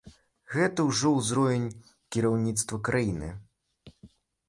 Гэта ўжо ўзровень кіраўніцтва краіны.